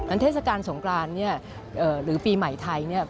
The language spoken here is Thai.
อันเทศกาลสงกรานหรือปีใหม่ไทย